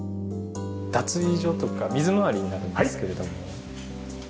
脱衣所とか水回りになるんですけれども。